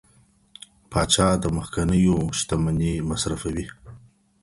پاچا د مخکنیو شتمني مصرفوي.